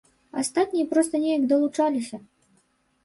Астатнія проста неяк далучаліся.